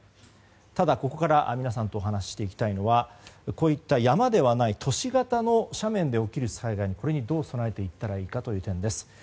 ただここから皆さんとお話していきたいのはこういった山ではない都市型の災害にどう備えていけばいいかという点です。